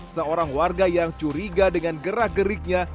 seorang warga yang curiga dengan gerak geriknya